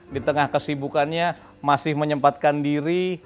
di tengah kesibukannya masih menyempatkan diri